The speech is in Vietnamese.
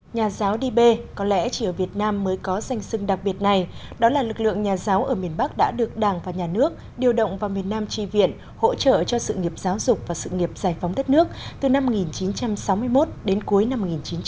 nhà giáo đi bê có lẽ chỉ ở việt nam mới có danh sưng đặc biệt này đó là lực lượng nhà giáo ở miền bắc đã được đảng và nhà nước điều động vào miền nam tri viện hỗ trợ cho sự nghiệp giáo dục và sự nghiệp giải phóng đất nước từ năm một nghìn chín trăm sáu mươi một đến cuối năm một nghìn chín trăm bảy mươi